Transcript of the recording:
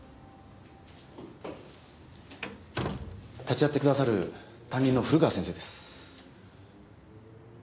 立ち会ってくださる担任の古川先生です。